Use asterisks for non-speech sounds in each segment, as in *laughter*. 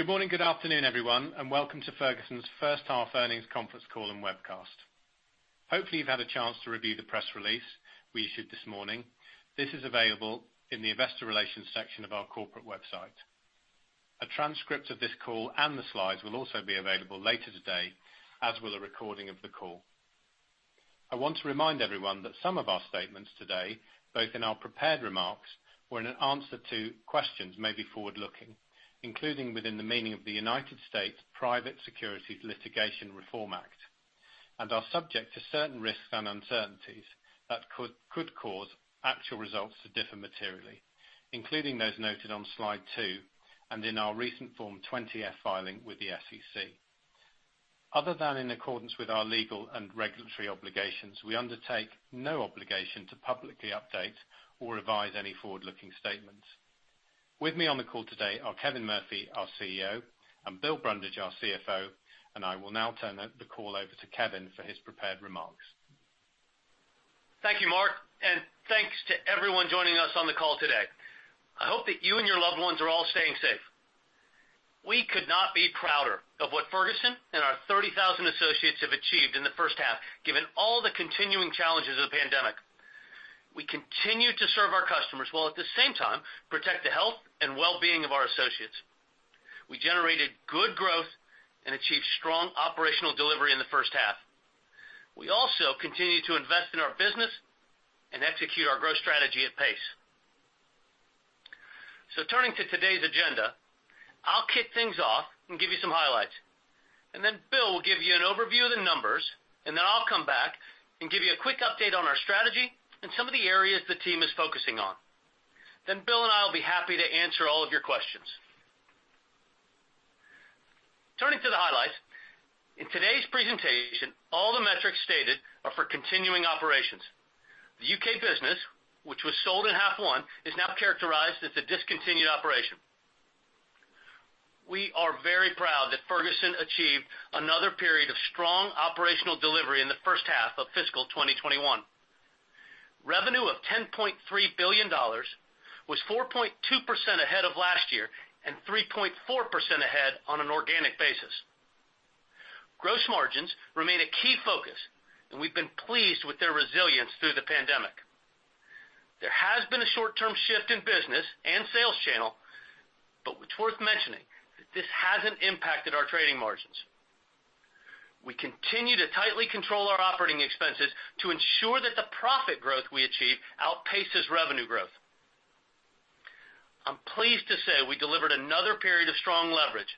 Good morning, good afternoon, everyone. Welcome to Ferguson's First Half Earnings Conference Call and Webcast. Hopefully, you've had a chance to review the press release we issued this morning. This is available in the investor relations section of our corporate website. A transcript of this call and the slides will also be available later today, as will a recording of the call. I want to remind everyone that some of our statements today, both in our prepared remarks or in an answer to questions, may be forward-looking, including within the meaning of the United States Private Securities Litigation Reform Act, and are subject to certain risks and uncertainties that could cause actual results to differ materially, including those noted on slide two and in our recent Form 20-F filing with the SEC. Other than in accordance with our legal and regulatory obligations, we undertake no obligation to publicly update or revise any forward-looking statements. With me on the call today are Kevin Murphy, our CEO, and Bill Brundage, our CFO. I will now turn the call over to Kevin for his prepared remarks. Thank you, Mark. Thanks to everyone joining us on the call today. I hope that you and your loved ones are all staying safe. We could not be prouder of what Ferguson and our 30,000 associates have achieved in the first half, given all the continuing challenges of the pandemic. We continue to serve our customers while at the same time protect the health and wellbeing of our associates. We generated good growth and achieved strong operational delivery in the first half. We also continue to invest in our business and execute our growth strategy at pace. Turning to today's agenda, I'll kick things off and give you some highlights. Bill will give you an overview of the numbers. I'll come back and give you a quick update on our strategy and some of the areas the team is focusing on. Bill and I will be happy to answer all of your questions. Turning to the highlights. In today's presentation, all the metrics stated are for continuing operations. The U.K. business, which was sold in half one, is now characterized as a discontinued operation. We are very proud that Ferguson achieved another period of strong operational delivery in the first half of fiscal 2021. Revenue of $10.3 billion was 4.2% ahead of last year and 3.4% ahead on an organic basis. Gross margins remain a key focus, and we've been pleased with their resilience through the pandemic. There has been a short-term shift in business and sales channel, but it's worth mentioning that this hasn't impacted our trading margins. We continue to tightly control our operating expenses to ensure that the profit growth we achieve outpaces revenue growth. I'm pleased to say we delivered another period of strong leverage.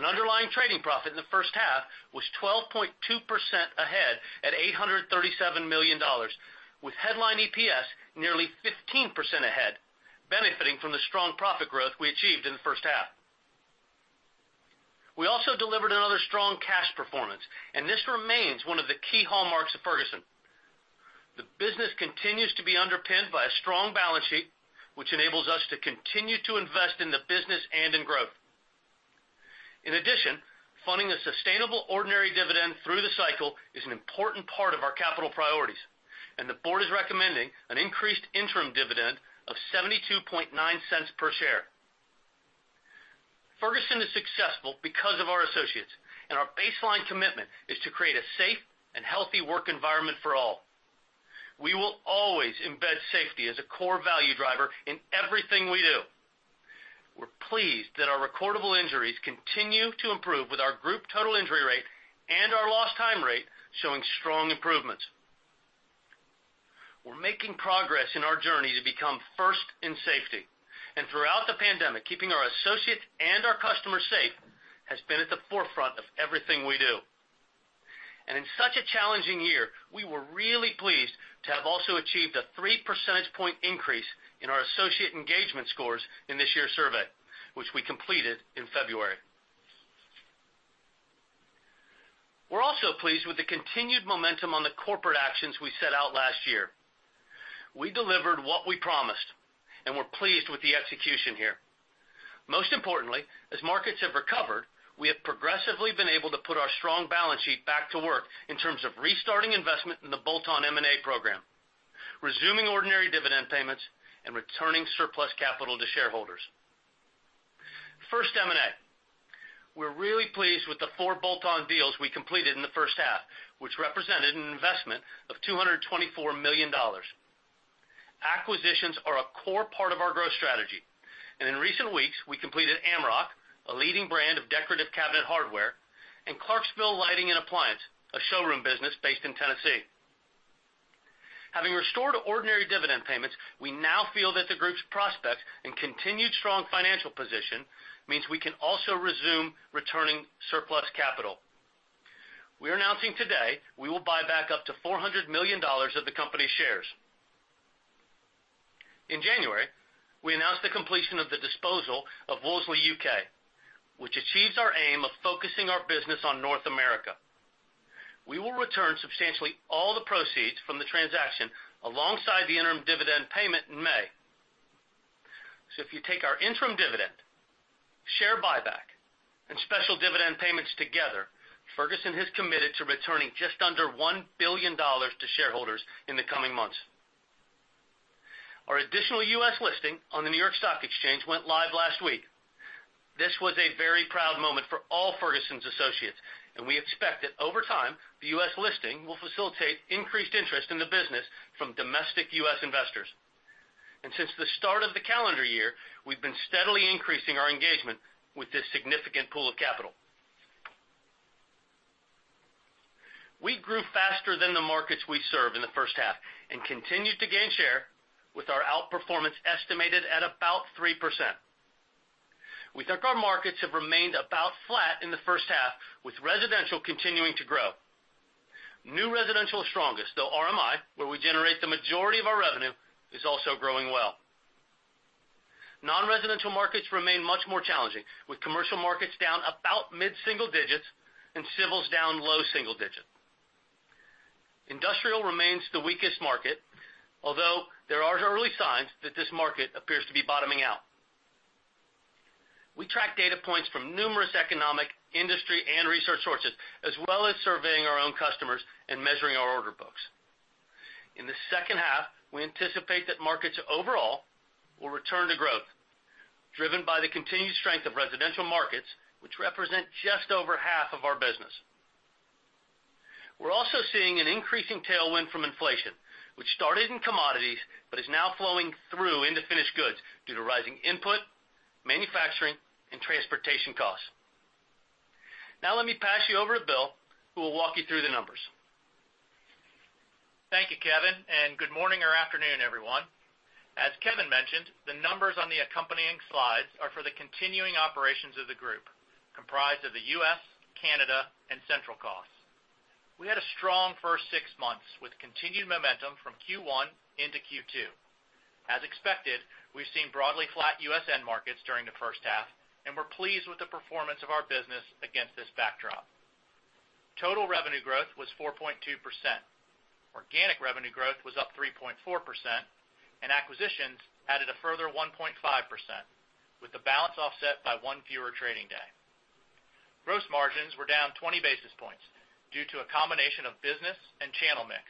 Underlying trading profit in the first half was 12.2% ahead at $837 million, with headline EPS nearly 15% ahead, benefiting from the strong profit growth we achieved in the first half. We also delivered another strong cash performance. This remains one of the key hallmarks of Ferguson. The business continues to be underpinned by a strong balance sheet, which enables us to continue to invest in the business and in growth. In addition, funding a sustainable ordinary dividend through the cycle is an important part of our capital priorities. The Board is recommending an increased interim dividend of $0.729 per share. Ferguson is successful because of our associates. Our baseline commitment is to create a safe and healthy work environment for all. We will always embed safety as a core value driver in everything we do. We're pleased that our recordable injuries continue to improve with our group total injury rate and our lost time rate showing strong improvements. We're making progress in our journey to become first in safety. Throughout the pandemic, keeping our associates and our customers safe has been at the forefront of everything we do. In such a challenging year, we were really pleased to have also achieved a 3 percentage point increase in our associate engagement scores in this year's survey, which we completed in February. We're also pleased with the continued momentum on the corporate actions we set out last year. We delivered what we promised. We're pleased with the execution here. Most importantly, as markets have recovered, we have progressively been able to put our strong balance sheet back to work in terms of restarting investment in the bolt-on M&A program, resuming ordinary dividend payments, and returning surplus capital to shareholders. First, M&A. We're really pleased with the four bolt-on deals we completed in the first half, which represented an investment of $224 million. Acquisitions are a core part of our growth strategy, and in recent weeks, we completed Amerock, a leading brand of decorative cabinet hardware, and Clarksville Lighting & Appliance, a showroom business based in Tennessee. Having restored ordinary dividend payments, we now feel that the group's prospects and continued strong financial position means we can also resume returning surplus capital. We are announcing today we will buy back up to $400 million of the company's shares. In January, we announced the completion of the disposal of Wolseley UK, which achieves our aim of focusing our business on North America. We will return substantially all the proceeds from the transaction alongside the interim dividend payment in May. If you take our interim dividend, share buyback, and special dividend payments together, Ferguson has committed to returning just under $1 billion to shareholders in the coming months. Our additional U.S. listing on the New York Stock Exchange went live last week. This was a very proud moment for all Ferguson's associates, and we expect that over time, the U.S. listing will facilitate increased interest in the business from domestic U.S. investors. Since the start of the calendar year, we've been steadily increasing our engagement with this significant pool of capital. We grew faster than the markets we serve in the first half and continued to gain share with our outperformance estimated at about 3%. We think our markets have remained about flat in the first half, with residential continuing to grow. New residential is strongest, though RMI, where we generate the majority of our revenue, is also growing well. Non-residential markets remain much more challenging, with commercial markets down about mid-single-digits and civils down low-single-digits. Industrial remains the weakest market, although there are early signs that this market appears to be bottoming out. We track data points from numerous economic, industry, and research sources, as well as surveying our own customers and measuring our order books. In the second half, we anticipate that markets overall will return to growth, driven by the continued strength of residential markets, which represent just over half of our business. We're also seeing an increasing tailwind from inflation, which started in commodities, but is now flowing through into finished goods due to rising input, manufacturing, and transportation costs. Now let me pass you over to Bill, who will walk you through the numbers. Thank you, Kevin, and good morning or afternoon, everyone. As Kevin mentioned, the numbers on the accompanying slides are for the continuing operations of the group, comprised of the U.S., Canada, and central costs. We had a strong first six months with continued momentum from Q1 into Q2. As expected, we've seen broadly flat U.S. end markets during the first half, and we're pleased with the performance of our business against this backdrop. Total revenue growth was 4.2%. Organic revenue growth was up 3.4%, and acquisitions added a further 1.5%, with the balance offset by one fewer trading day. Gross margins were down 20 basis points due to a combination of business and channel mix.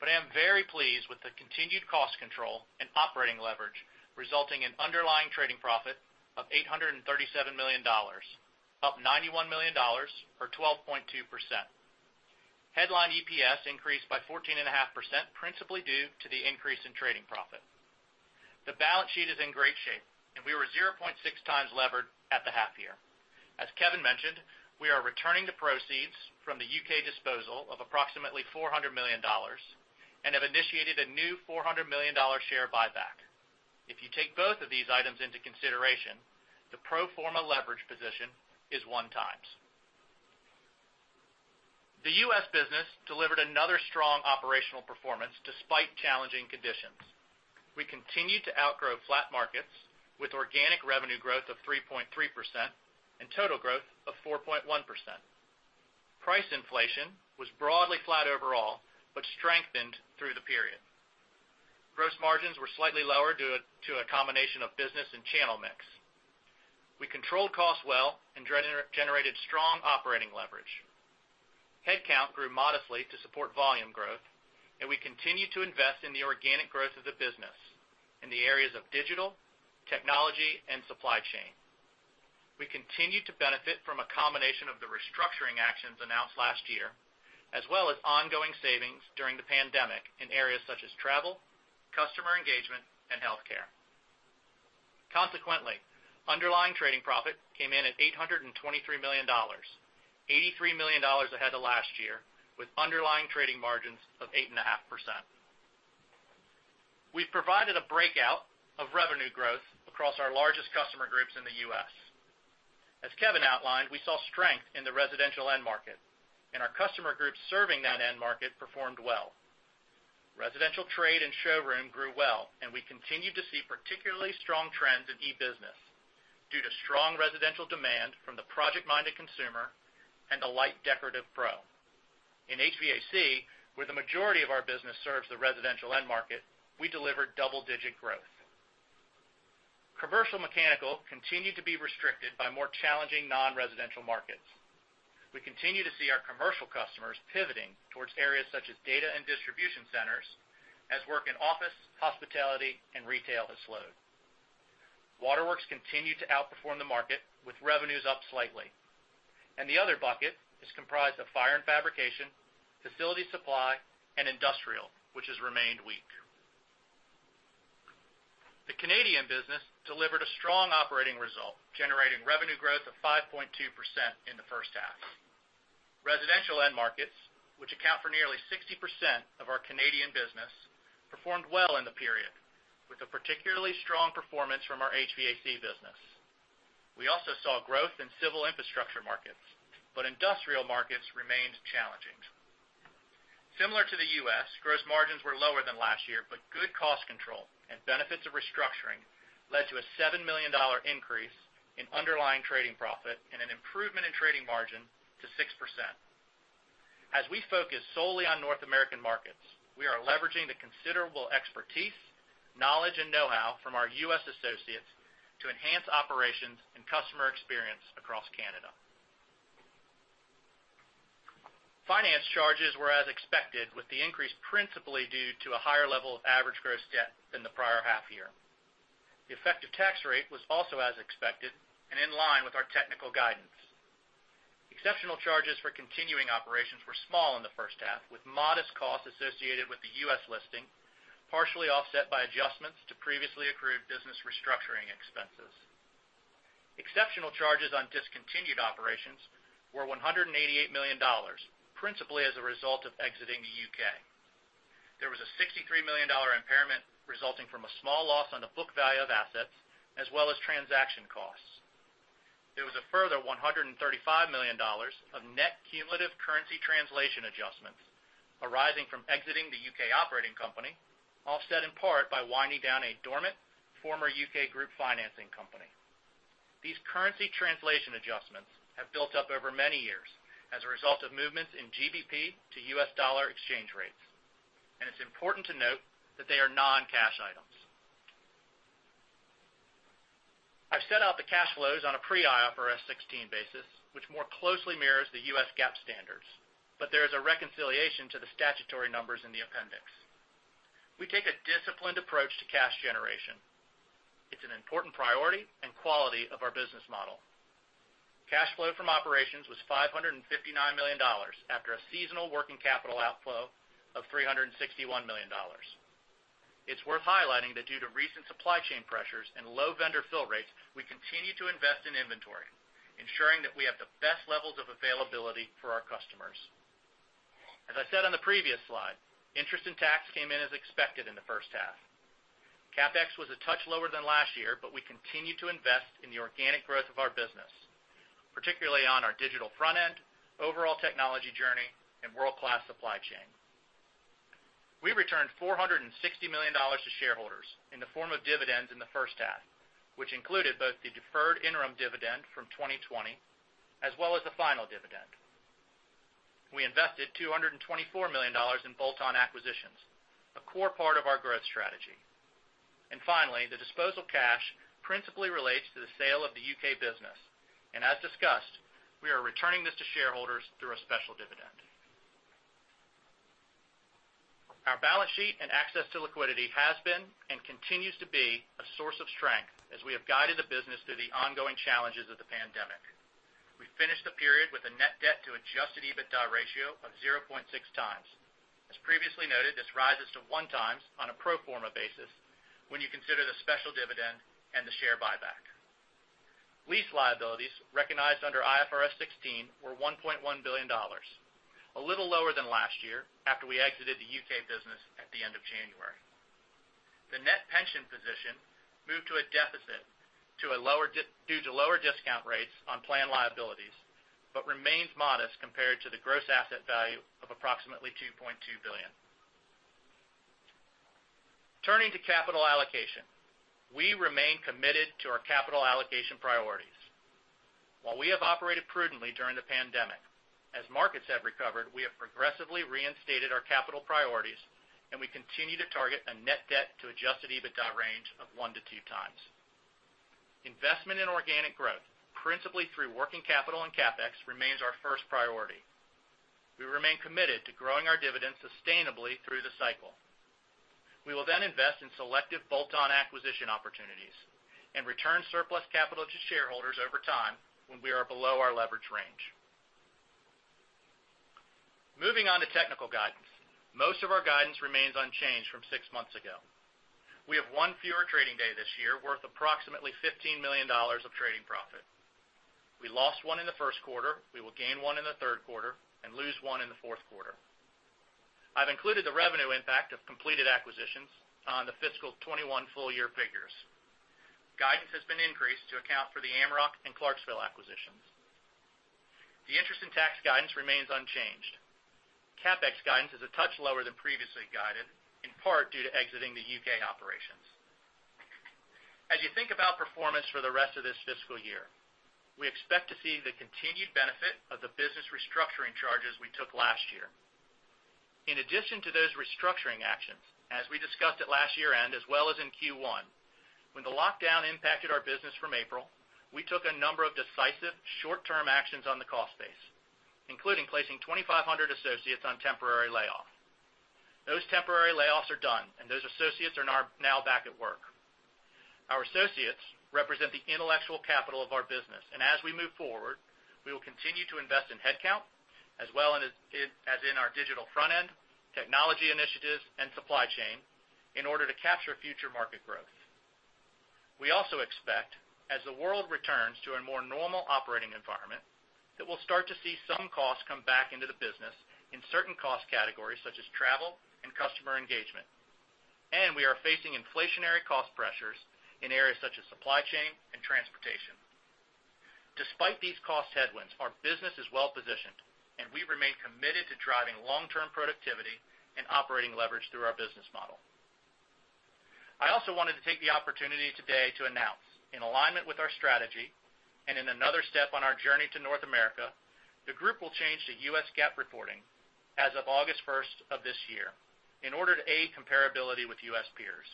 I am very pleased with the continued cost control and operating leverage, resulting in underlying trading profit of $837 million, up $91 million or 12.2%. Headline EPS increased by 14.5%, principally due to the increase in trading profit. The balance sheet is in great shape, and we were 0.6x levered at the half year. As Kevin mentioned, we are returning the proceeds from the U.K. disposal of approximately $400 million and have initiated a new $400 million share buyback. If you take both of these items into consideration, the pro forma leverage position is one times. The U.S. business delivered another strong operational performance despite challenging conditions. We continued to outgrow flat markets with organic revenue growth of 3.3% and total growth of 4.1%. Price inflation was broadly flat overall, but strengthened through the period. Gross margins were slightly lower due to a combination of business and channel mix. We controlled costs well and generated strong operating leverage. Headcount grew modestly to support volume growth, and we continued to invest in the organic growth of the business in the areas of digital, technology, and supply chain. We continued to benefit from a combination of the restructuring actions announced last year, as well as ongoing savings during the pandemic in areas such as travel, customer engagement, and healthcare. Consequently, underlying trading profit came in at $823 million, $83 million ahead of last year, with underlying trading margins of 8.5%. We've provided a breakout of revenue growth across our largest customer groups in the U.S. As Kevin outlined, we saw strength in the residential end market, and our customer groups serving that end market performed well. Residential trade and showroom grew well, and we continued to see particularly strong trends in e-business due to strong residential demand from the project-minded consumer and the light decorative pro. In HVAC, where the majority of our business serves the residential end market, we delivered double-digit growth. Commercial mechanical continued to be restricted by more challenging non-residential markets. We continue to see our commercial customers pivoting towards areas such as data and Distribution Centers as work in office, hospitality, and retail has slowed. Waterworks continued to outperform the market, with revenues up slightly. The other bucket is comprised of fire and fabrication, facility supply, and industrial, which has remained weak. The Canadian business delivered a strong operating result, generating revenue growth of 5.2% in the first half. Residential end markets, which account for nearly 60% of our Canadian business, performed well in the period, with a particularly strong performance from our HVAC business. We also saw growth in civil infrastructure markets, industrial markets remained challenging. Similar to the U.S., gross margins were lower than last year, but good cost control and benefits of restructuring led to a $7 million increase in underlying trading profit and an improvement in trading margin to 6%. As we focus solely on North American markets, we are leveraging the considerable expertise, knowledge, and know-how from our U.S. associates to enhance operations and customer experience across Canada. Finance charges were as expected, with the increase principally due to a higher level of average gross debt than the prior half year. The effective tax rate was also as expected and in line with our technical guidance. Exceptional charges for continuing operations were small in the first half, with modest costs associated with the U.S. listing, partially offset by adjustments to previously accrued business restructuring expenses. Exceptional charges on discontinued operations were $188 million, principally as a result of exiting the U.K. There was a $63 million impairment resulting from a small loss on the book value of assets, as well as transaction costs. There was a further $135 million of net cumulative currency translation adjustments arising from exiting the U.K. operating company, offset in part by winding down a dormant former U.K. group financing company. These currency translation adjustments have built up over many years as a result of movements in GBP to U.S. dollar exchange rates, and it's important to note that they are non-cash items. I've set out the cash flows on a pre-IFRS 16 basis, which more closely mirrors the U.S. GAAP standards, but there is a reconciliation to the statutory numbers in the appendix. We take a disciplined approach to cash generation. It's an important priority and quality of our business model. Cash flow from operations was $559 million, after a seasonal working capital outflow of $361 million. It's worth highlighting that due to recent supply chain pressures and low vendor fill rates, we continue to invest in inventory, ensuring that we have the best levels of availability for our customers. As I said on the previous slide, interest and tax came in as expected in the first half. CapEx was a touch lower than last year, but we continue to invest in the organic growth of our business, particularly on our digital front-end, overall technology journey, and world-class supply chain. We returned $460 million to shareholders in the form of dividends in the first half, which included both the deferred interim dividend from 2020, as well as the final dividend. We invested $224 million in bolt-on acquisitions, a core part of our growth strategy. Finally, the disposal cash principally relates to the sale of the U.K. business, and as discussed, we are returning this to shareholders through a special dividend. Our balance sheet and access to liquidity has been and continues to be a source of strength as we have guided the business through the ongoing challenges of the pandemic. We finished the period with a net debt to adjusted EBITDA ratio of 0.6x. As previously noted, this rises to 1x on a pro forma basis when you consider the special dividend and the share buyback. Lease liabilities recognized under IFRS 16 were $1.1 billion, a little lower than last year after we exited the U.K. business at the end of January. The net pension position moved to a deficit due to lower discount rates on plan liabilities, but remains modest compared to the gross asset value of approximately $2.2 billion. Turning to capital allocation. We remain committed to our capital allocation priorities. While we have operated prudently during the pandemic, as markets have recovered, we have progressively reinstated our capital priorities, and we continue to target a net debt to adjusted EBITDA range of 1x-2x. Investment in organic growth, principally through working capital and CapEx, remains our first priority. We remain committed to growing our dividends sustainably through the cycle. We will invest in selective bolt-on acquisition opportunities and return surplus capital to shareholders over time when we are below our leverage range. Moving on to technical guidance. Most of our guidance remains unchanged from six months ago. We have one fewer trading day this year worth approximately $15 million of trading profit. We lost one in the first quarter, we will gain one in the third quarter, and lose one in the fourth quarter. I've included the revenue impact of completed acquisitions on the fiscal 2021 full-year figures. Guidance has been increased to account for the Amerock and Clarksville acquisitions. The interest in tax guidance remains unchanged. CapEx guidance is a touch lower than previously guided, in part due to exiting the U.K. operations. As you think about performance for the rest of this fiscal year, we expect to see the continued benefit of the business restructuring charges we took last year. In addition to those restructuring actions, as we discussed at last year-end as well as in Q1, when the lockdown impacted our business from April, we took a number of decisive short-term actions on the cost base, including placing 2,500 associates on temporary layoff. Those temporary layoffs are done, and those associates are now back at work. Our associates represent the intellectual capital of our business, and as we move forward, we will continue to invest in headcount as well as in our digital front-end, technology initiatives, and supply chain in order to capture future market growth. We also expect, as the world returns to a more normal operating environment, that we'll start to see some costs come back into the business in certain cost categories such as travel and customer engagement. We are facing inflationary cost pressures in areas such as supply chain and transportation. Despite these cost headwinds, our business is well-positioned, and we remain committed to driving long-term productivity and operating leverage through our business model. I also wanted to take the opportunity today to announce, in alignment with our strategy and in another step on our journey to North America, the group will change to U.S. GAAP reporting as of August 1st of this year in order to aid comparability with U.S. peers.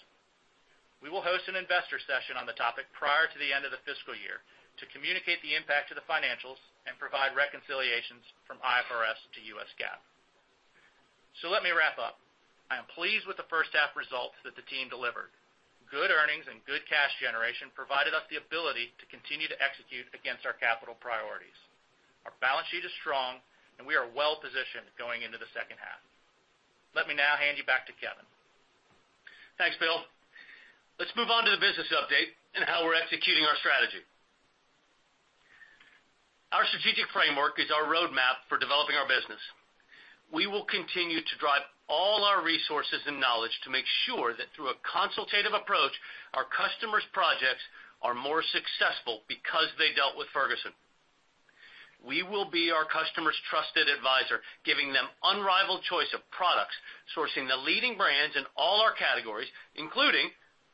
We will host an investor session on the topic prior to the end of the fiscal year to communicate the impact to the financials and provide reconciliations from IFRS to U.S. GAAP. Let me wrap-up. I am pleased with the first half results that the team delivered. Good earnings and good cash generation provided us the ability to continue to execute against our capital priorities. Our balance sheet is strong, and we are well-positioned going into the second half. Let me now hand you back to Kevin. Thanks, Bill. Let's move on to the business update and how we're executing our strategy. Our strategic framework is our roadmap for developing our business. We will continue to drive all our resources and knowledge to make sure that through a consultative approach, our customers' projects are more successful because they dealt with Ferguson. We will be our customer's trusted advisor, giving them unrivaled choice of products, sourcing the leading brands in all our categories, including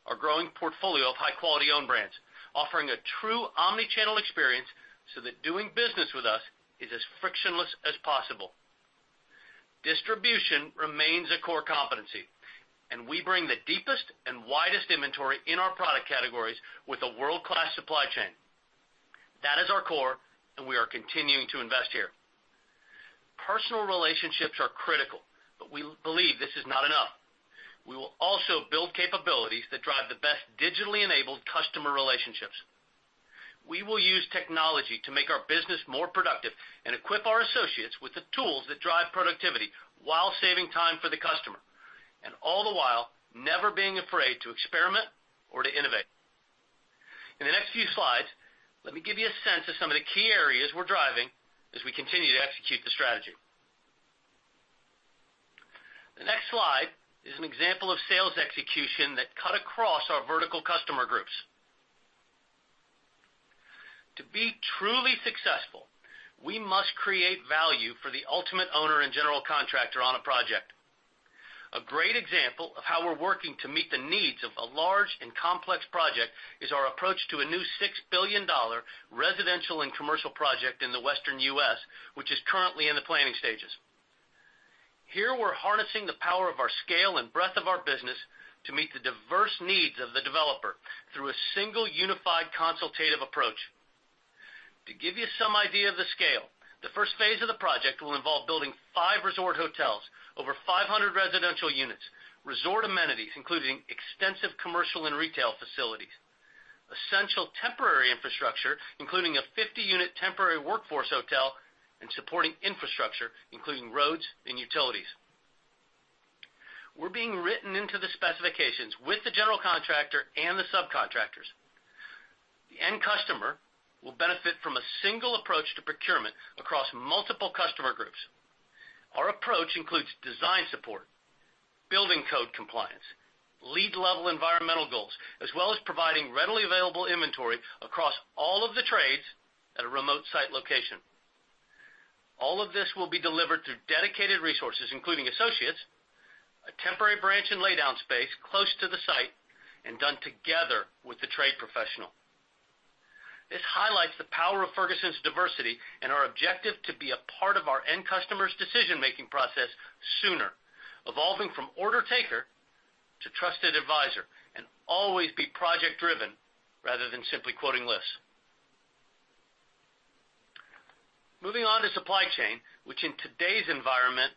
our growing portfolio of high-quality own brands, offering a true omni-channel experience so that doing business with us is as frictionless as possible. Distribution remains a core competency, and we bring the deepest and widest inventory in our product categories with a world-class supply chain. That is our core, and we are continuing to invest here. Personal relationships are critical, but we believe this is not enough. We will also build capabilities that drive the best digitally enabled customer relationships. We will use technology to make our business more productive and equip our associates with the tools that drive productivity while saving time for the customer, and all the while, never being afraid to experiment or to innovate. In the next few slides, let me give you a sense of some of the key areas we're driving as we continue to execute the strategy. The next slide is an example of sales execution that cut across our vertical customer groups. To be truly successful, we must create value for the ultimate owner and general contractor on a project. A great example of how we're working to meet the needs of a large and complex project is our approach to a new $6 billion residential and commercial project in the Western U.S., which is currently in the planning stages. Here, we're harnessing the power of our scale and breadth of our business to meet the diverse needs of the developer through a single, unified, consultative approach. To give you some idea of the scale, the first phase of the project will involve building five resort hotels, over 500 residential units, resort amenities, including extensive commercial and retail facilities, essential temporary infrastructure, including a 50-unit temporary workforce hotel, and supporting infrastructure, including roads and utilities. We're being written into the specifications with the general contractor and the subcontractors. The end customer will benefit from a single approach to procurement across multiple customer groups. Our approach includes design support, building code compliance, LEED level environmental goals, as well as providing readily available inventory across all of the trades at a remote site location. All of this will be delivered through dedicated resources, including associates, a temporary branch and laydown space close to the site, and done together with the trade professional. This highlights the power of Ferguson's diversity and our objective to be a part of our end customer's decision-making process sooner, evolving from order taker to trusted advisor, and always be project-driven rather than simply quoting lists. Moving on to supply chain, which in today's environment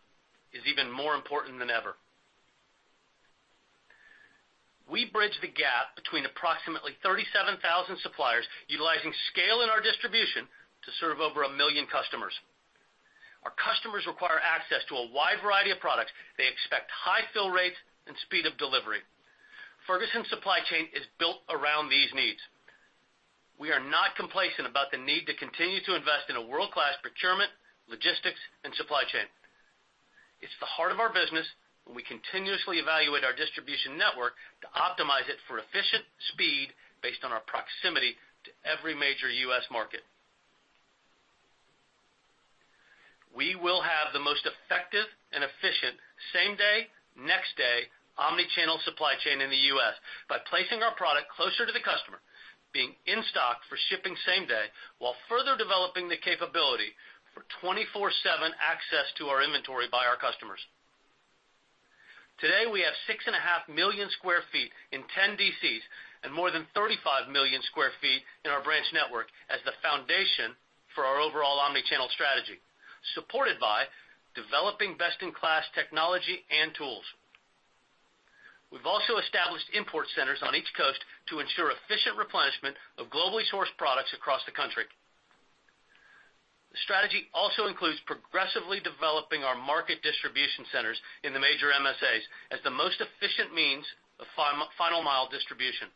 is even more important than ever. We bridge the gap between approximately 37,000 suppliers, utilizing scale in our distribution to serve over a million customers. Our customers require access to a wide variety of products. They expect high fill rates and speed of delivery. Ferguson's supply chain is built around these needs. We are not complacent about the need to continue to invest in a world-class procurement, logistics, and supply chain. It's the heart of our business. We continuously evaluate our distribution network to optimize it for efficient speed based on our proximity to every major U.S. market. We will have the most effective and efficient same-day, next-day omni-channel supply chain in the U.S. by placing our product closer to the customer, being in stock for shipping same day, while further developing the capability for 24/7 access to our inventory by our customers. Today, we have 6.5 million square feet in 10 DCs and more than 35 million square feet in our branch network as the foundation for our overall omni-channel strategy, supported by developing best-in-class technology and tools. We've also established import centers on each coast to ensure efficient replenishment of globally sourced products across the country. The strategy also includes progressively developing our Market Distribution Centers in the major MSAs as the most efficient means of final mile distribution.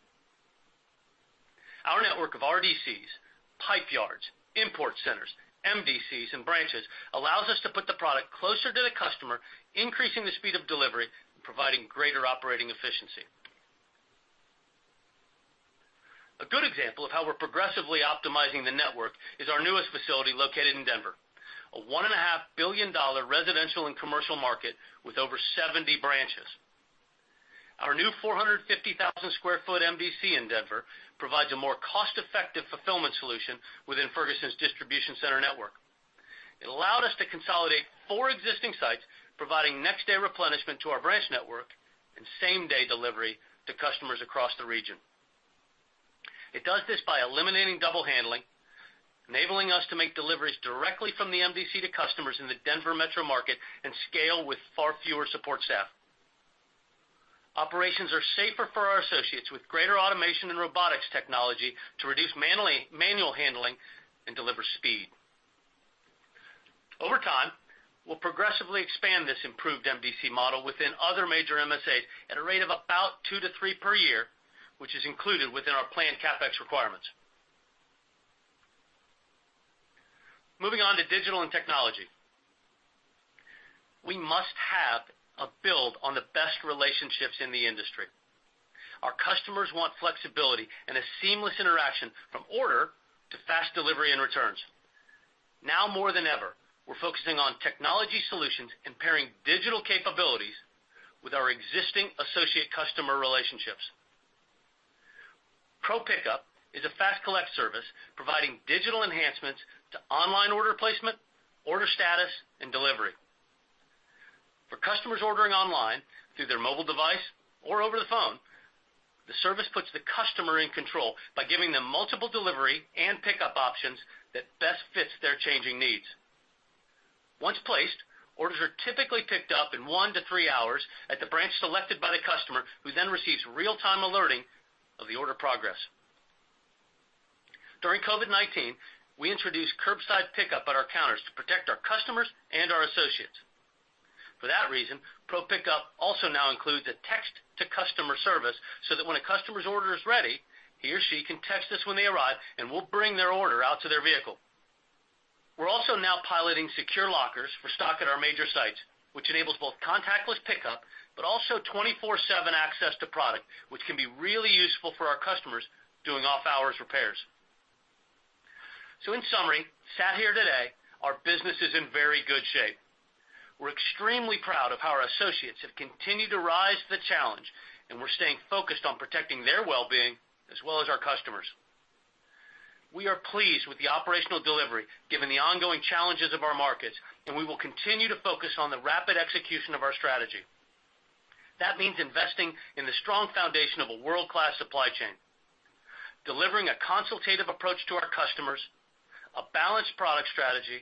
Our network of RDCs, pipe yards, import centers, MDCs, and branches allows us to put the product closer to the customer, increasing the speed of delivery and providing greater operating efficiency. A good example of how we're progressively optimizing the network is our newest facility located in Denver, a $1.5 billion residential and commercial market with over 70 branches. Our new 450,000 sq ft MDC in Denver provides a more cost-effective fulfillment solution within Ferguson's Distribution Center network. It allowed us to consolidate four existing sites, providing next-day replenishment to our branch network and same-day delivery to customers across the region. It does this by eliminating double handling, enabling us to make deliveries directly from the MDC to customers in the Denver metro market and scale with far fewer support staff. Operations are safer for our associates with greater automation and robotics technology to reduce manual handling and deliver speed. Over time, we'll progressively expand this improved MDC model within other major MSAs at a rate of about two to three per year, which is included within our planned CapEx requirements. Moving on to digital and technology. We must have a build on the best relationships in the industry. Our customers want flexibility and a seamless interaction from order to fast delivery and returns. Now more than ever, we're focusing on technology solutions and pairing digital capabilities with our existing associate customer relationships. Pro Pick-Up is a fast collect service providing digital enhancements to online order placement, order status, and delivery. For customers ordering online through their mobile device or over the phone, the service puts the customer in control by giving them multiple delivery and pickup options that best fits their changing needs. Once placed, orders are typically picked up in one to three hours at the branch selected by the customer, who then receives real-time alerting of the order progress. During COVID-19, we introduced curbside pickup at our counters to protect our customers and our associates. For that reason, Pro Pick-Up also now includes a text-to-customer service so that when a customer's order is ready, he or she can text us when they arrive, and we'll bring their order out to their vehicle. We're also now piloting secure lockers for stock at our major sites, which enables both contactless pickup, but also 24/7 access to product, which can be really useful for our customers doing off-hours repairs. In summary, sat here today, our business is in very good shape. We're extremely proud of how our associates have continued to rise to the challenge, and we're staying focused on protecting their well-being as well as our customers. We are pleased with the operational delivery given the ongoing challenges of our markets, and we will continue to focus on the rapid execution of our strategy. That means investing in the strong foundation of a world-class supply chain, delivering a consultative approach to our customers, a balanced product strategy,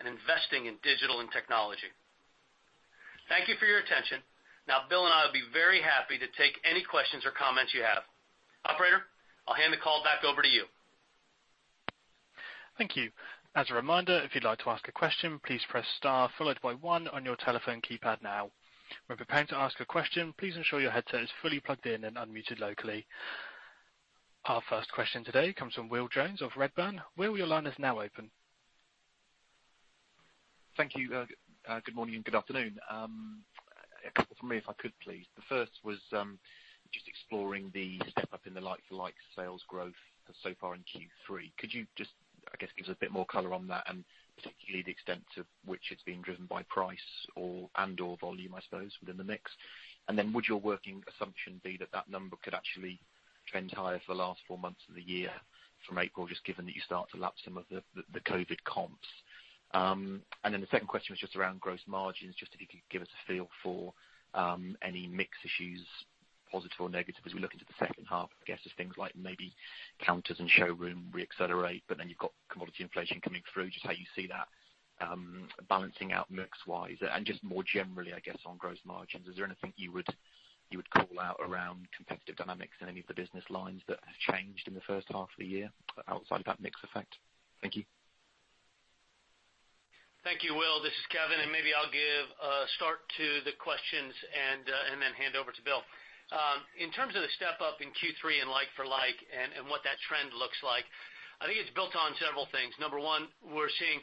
and investing in digital and technology. Thank you for your attention. Bill and I will be very happy to take any questions or comments you have. Operator, I'll hand the call back over to you. Thank you. As a reminder, if you'd like to ask a question, please press star followed by one on your telephone keypad now. When prepared to ask a question, please ensure your headset is fully plugged in and unmuted locally. Our first question today comes from Will Jones of Redburn. Will, your line is now open. Thank you. Good morning and good afternoon. A couple from me if I could, please. The first was just exploring the step-up in the like-for-like sales growth so far in Q3. Could you just, I guess, give us a bit more color on that, and particularly the extent to which it's being driven by price and/or volume, I suppose, within the mix? Would your working assumption be that that number could actually trend higher for the last four months of the year from April, just given that you start to lap some of the COVID comps? The second question was just around gross margins, just if you could give us a feel for any mix issues, positive or negative, as we look into the second half. I guess as things like maybe counters and showroom re-accelerate, but then you've got commodity inflation coming through. Just how you see that balancing out mix-wise. Just more generally, I guess, on gross margins, is there anything you would call out around competitive dynamics in any of the business lines that have changed in the first half of the year outside of that mix effect? Thank you. Thank you, Will. This is Kevin, and maybe I'll give a start to the questions and then hand over to Bill. In terms of the step-up in Q3 and like for like and what that trend looks like, I think it's built on several things. Number one, we're seeing,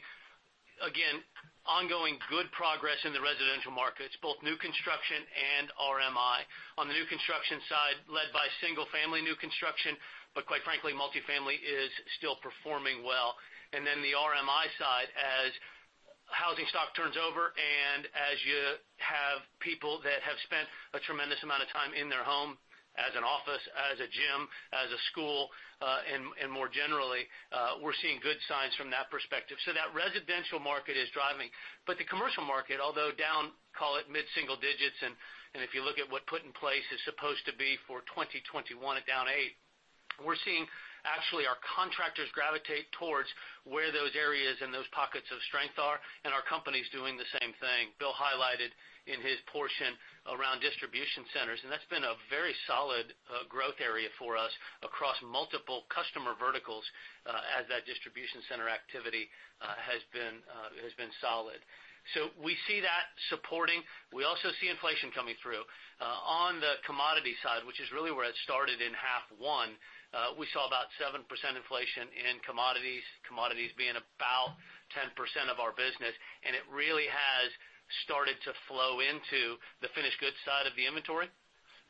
again, ongoing good progress in the residential markets, both new construction and RMI. On the new construction side, led by single-family new construction, but quite frankly, multi-family is still performing well. Then the RMI side, as housing stock turns over and as you have people that have spent a tremendous amount of time in their home as an office, as a gym, as a school, and more generally, we're seeing good signs from that perspective. That residential market is driving. The commercial market, although down, call it mid-single-digits, and if you look at what put in place is supposed to be for 2021 at down 8%, we're seeing actually our contractors gravitate towards where those areas and those pockets of strength are, and our company's doing the same thing. Bill highlighted in his portion around Distribution Centers, and that's been a very solid growth area for us across multiple customer verticals as that Distribution Center activity has been solid. We see that supporting. We also see inflation coming through. On the commodity side, which is really where it started in half one, we saw about 7% inflation in commodities being about 10% of our business, and it really has started to flow into the finished goods side of the inventory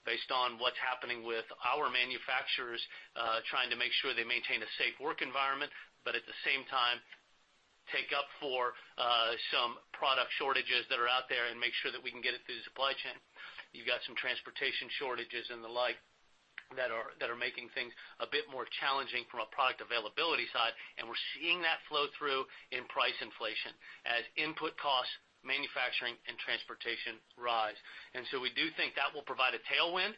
based on what's happening with our manufacturers trying to make sure they maintain a safe work environment, but at the same time, take up for some product shortages that are out there and make sure that we can get it through the supply chain. You've got some transportation shortages and the like that are making things a bit more challenging from a product availability side, and we're seeing that flow through in price inflation as input costs, manufacturing, and transportation rise. We do think that will provide a tailwind.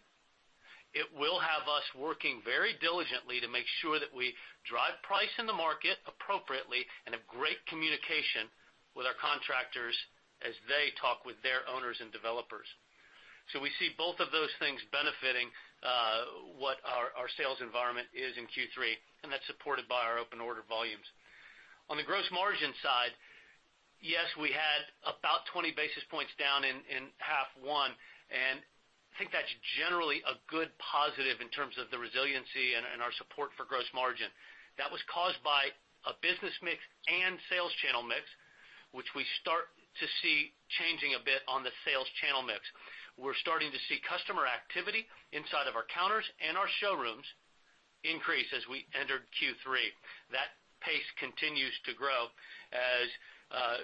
It will have us working very diligently to make sure that we drive price in the market appropriately and have great communication with our contractors as they talk with their owners and developers. We see both of those things benefiting what our sales environment is in Q3, and that's supported by our open order volumes. On the gross margin side, yes, we had about 20 basis points down in half one, and I think that's generally a good positive in terms of the resiliency and our support for gross margin. That was caused by a business mix and sales channel mix, which we start to see changing a bit on the sales channel mix. We're starting to see customer activity inside of our counters and our showrooms increase as we entered Q3. That pace continues to grow as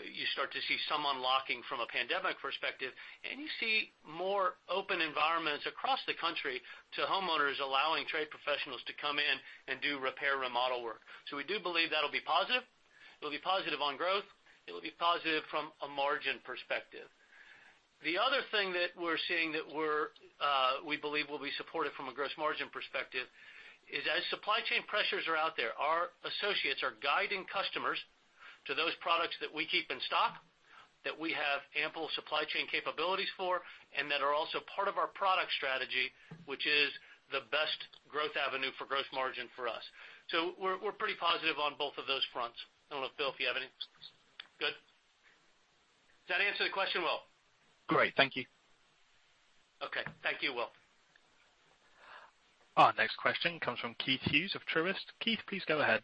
you start to see some unlocking from a pandemic perspective, and you see more open environments across the country to homeowners allowing trade professionals to come in and do repair, remodel work. We do believe that'll be positive. It'll be positive on growth. It'll be positive from a margin perspective. The other thing that we're seeing that we believe will be supported from a gross margin perspective is as supply chain pressures are out there, our associates are guiding customers to those products that we keep in stock, that we have ample supply chain capabilities for, and that are also part of our product strategy, which is the best growth avenue for gross margin for us. We're pretty positive on both of those fronts. I don't know, Bill, if you have any. Good? Does that answer the question, Will? Great. Thank you. Okay. Thank you, Will. Our next question comes from Keith Hughes of Truist. Keith, please go ahead.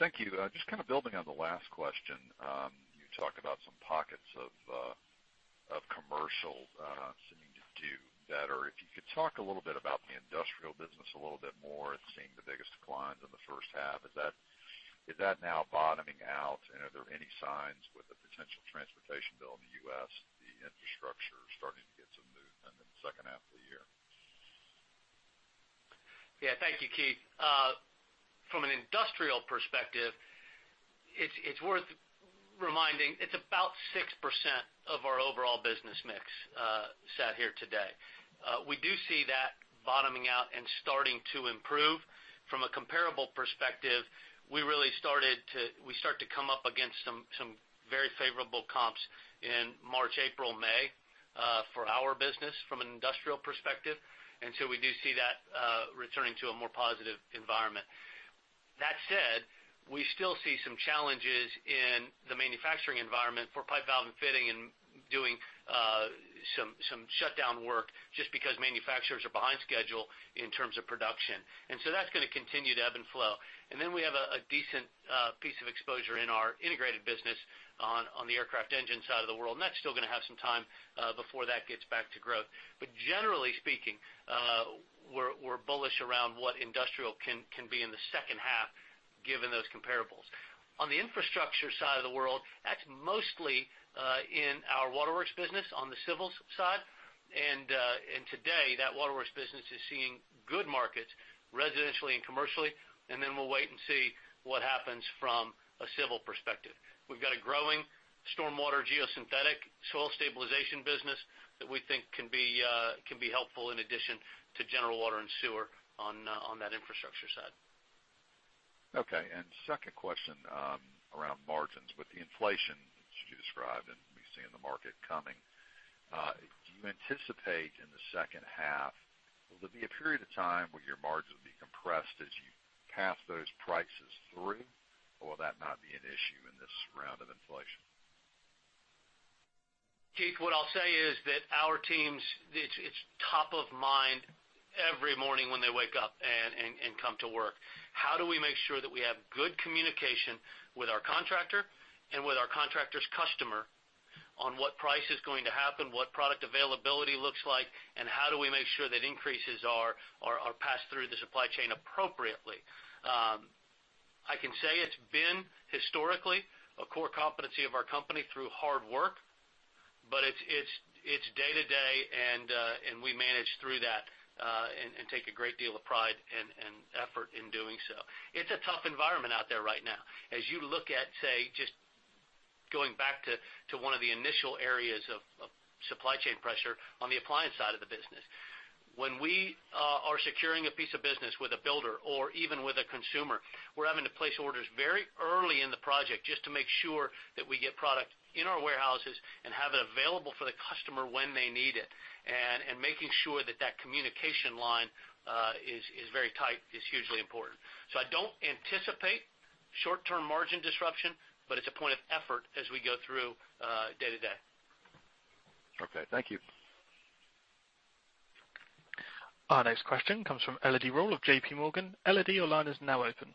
Thank you. Just kind of building on the last question. You talked about some pockets of commercial seeming to do better. If you could talk a little bit about the industrial business a little bit more. It seemed the biggest decline in the first half. Is that now bottoming out, and are there any signs with the potential transportation bill in the U.S., the infrastructure starting to get some movement in the second half of the year? Yeah. Thank you, Keith. From an industrial perspective, it's worth reminding, it's about 6% of our overall business mix sat here today. We do see that bottoming out and starting to improve. From a comparable perspective, we start to come up against some very favorable comps in March, April, May, for our business from an industrial perspective. We do see that returning to a more positive environment. That said, we still see some challenges in the manufacturing environment for pipe, valve, and fitting and doing some shutdown work just because manufacturers are behind schedule in terms of production. That's going to continue to ebb and flow. We have a decent piece of exposure in our integrated business on the aircraft engine side of the world, and that's still going to have some time before that gets back to growth. Generally speaking, we're bullish around what industrial can be in the second half given those comparables. On the infrastructure side of the world, that's mostly in our Waterworks business on the civil side. Today, that Waterworks business is seeing good markets residentially and commercially, and then we'll wait and see what happens from a civil perspective. We've got a growing stormwater geosynthetic soil stabilization business that we think can be helpful in addition to general water and sewer on that infrastructure side. Okay, second question around margins. With the inflation as you described and we see in the market coming, do you anticipate in the second half, will there be a period of time where your margins will be compressed as you pass those prices through? Or will that not be an issue in this round of inflation? Keith, what I'll say is that our teams, it's top of mind every morning when they wake up and come to work. How do we make sure that we have good communication with our contractor and with our contractor's customer on what price is going to happen, what product availability looks like, and how do we make sure that increases are passed through the supply chain appropriately? I can say it's been historically a core competency of our company through hard work, but it's day-to-day, and we manage through that, and take a great deal of pride and effort in doing so. It's a tough environment out there right now. As you look at, say, just going back to one of the initial areas of supply chain pressure on the appliance side of the business. When we are securing a piece of business with a builder or even with a consumer, we're having to place orders very early in the project just to make sure that we get product in our warehouses and have it available for the customer when they need it. Making sure that that communication line is very tight is hugely important. I don't anticipate short-term margin disruption, but it's a point of effort as we go through day-to-day. Okay. Thank you. Our next question comes from Elodie Rall of JPMorgan. Elodie, your line is now open.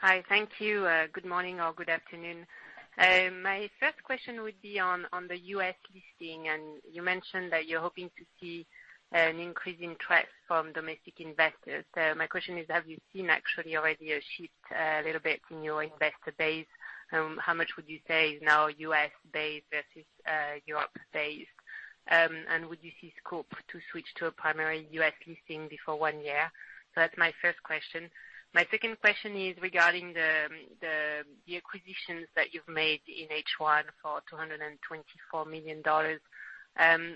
Hi. Thank you. Good morning or good afternoon. My first question would be on the U.S. listing. You mentioned that you're hoping to see an increase in trust from domestic investors. My question is, have you seen actually already a shift a little bit in your investor base? How much would you say is now U.S.-based versus Europe-based? Would you see scope to switch to a primary U.S. listing before one year? That's my first question. My second question is regarding the acquisitions that you've made in H1 for $224 million.